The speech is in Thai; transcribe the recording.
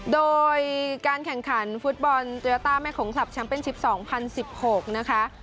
โดยการแข่งขันฟุตบอลเจอต้าแม่ของคลับชัมเป็นชิปสองพันสิบหกนะคะ